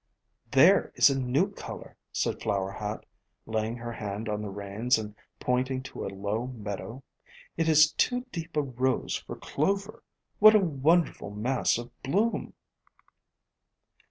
"There is a new color," said Flower Hat, laying 24O FLOWERS OF THE SUN her hand on the reins and pointing to a low meadow. "It is too deep a rose for Clover. What a wonder ful mass of bloom!"